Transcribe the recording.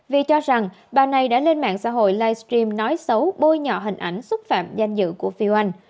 vì cho rằng bà này đã lên mạng xã hội livestream nói xấu bôi nhỏ hình ảnh xúc phạm danh dự của vy oanh